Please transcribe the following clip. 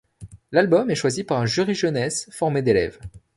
L'album est choisi par un jury jeunesse formé d’élèves.